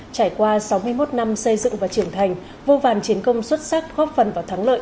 trải qua sáu mươi một năm xây dựng và trưởng thành vô vàn chiến công xuất sắc góp phần vào thắng lợi